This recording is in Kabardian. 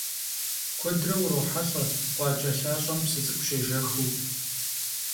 Kuedre vurohelh'e khuaç'e lhaş'em psı ts'ık'u şêjjexıu.